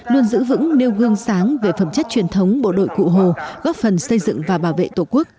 luôn giữ vững nêu gương sáng về phẩm chất truyền thống bộ đội cụ hồ góp phần xây dựng và bảo vệ tổ quốc